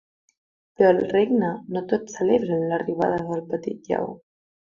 Però al regne no tots celebren l’arribada del petit lleó.